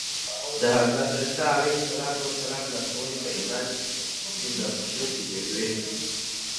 د حضرت عيسی عليه السلام لارښوونې په ايمان کې نغښتې وې.